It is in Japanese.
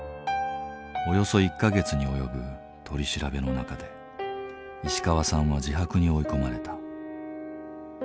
およそ１か月に及ぶ取り調べの中で石川さんは自白に追い込まれた。